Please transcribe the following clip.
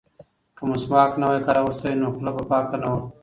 که مسواک نه وای کارول شوی نو خوله به پاکه نه وه.